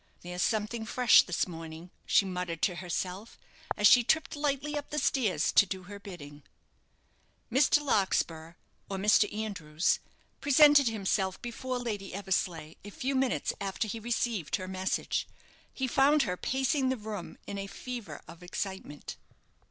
"There's something fresh this morning," she muttered to herself, as she tripped lightly up the stairs to do her bidding. Mr. Larkspur or Mr. Andrews presented himself before Lady Eversleigh a few minutes after he received her message. He found her pacing the room in a fever of excitement.